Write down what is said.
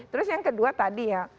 terus yang kedua tadi ya